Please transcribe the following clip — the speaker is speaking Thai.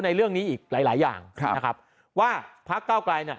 ในเรื่องนี้อีกหลายหลายอย่างครับนะครับว่าพักเก้าไกลเนี่ย